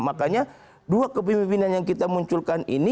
makanya dua kepemimpinan yang kita munculkan ini